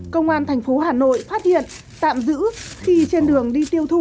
công an thành phố hà nội phát hiện tạm giữ khi trên đường đi tiêu thụ